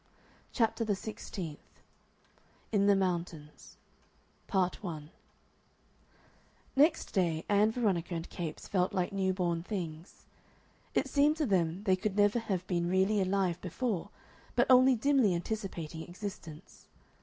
CHAPTER THE SIXTEENTH IN THE MOUNTAINS Part 1 Next day Ann Veronica and Capes felt like newborn things. It seemed to them they could never have been really alive before, but only dimly anticipating existence.